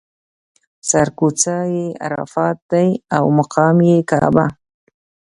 سر کوڅه یې عرفات دی او مقام یې کعبه.